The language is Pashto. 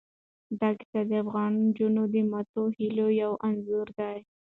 دا کیسه د افغان نجونو د ماتو هیلو یو انځور دی.